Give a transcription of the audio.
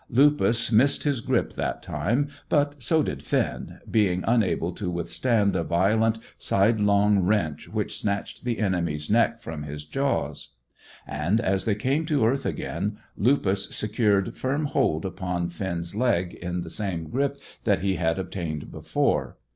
Lupus missed his grip that time, but so did Finn, being unable to withstand the violent sidelong wrench which snatched the enemy's neck from his jaws. And, as they came to earth again, Lupus secured firm hold upon Finn's leg in the same grip that he had obtained before.